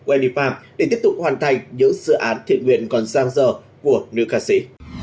wendy phạm để tiếp tục hoàn thành những sự án thiện nguyện còn sang giờ của nữ ca sĩ